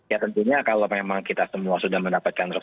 ya tentunya kalau memang kita semua sudah mendapatkan